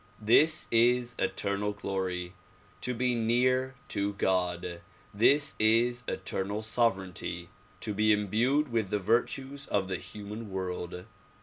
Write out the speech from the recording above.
This is eternal glory ; to be near to God. This is eternal sovereignty ; to be imbued with the virtues of the human world.